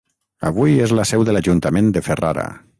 Avui, és la seu de l'ajuntament de Ferrara.